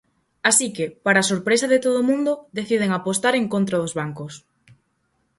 Así que, para sorpresa de todo o mundo, deciden apostar en contra dos bancos.